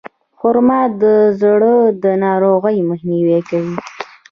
خرما د زړه د ناروغیو مخنیوی کوي.